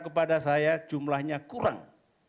kepada saya jumlahnya kurang